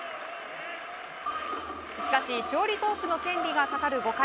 しかし勝利投手の権利がかかる５回。